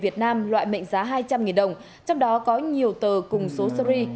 trong đó có nhiều tờ cùng số sơ ri